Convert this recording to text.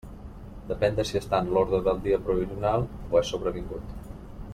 Depèn de si està en l'ordre del dia provisional o és sobrevingut.